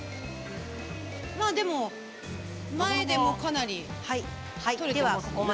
まあでも前でもかなり取れてますね。